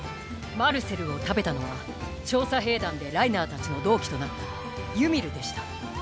マルセルを食べたのは調査兵団でライナーたちの同期となったユミルでした。